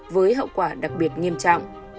với hậu quả đặc biệt nghiêm trọng